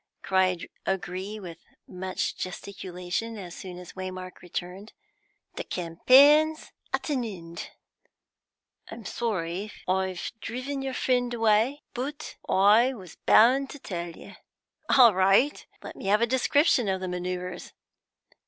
cried O'Gree, with much gesticulation, as soon as Waymark returned. "The campaign's at an end! I'm sorry if I've driven your friend away, but I was bound to tell you." "All right. Let me have a description of the manoeuvres."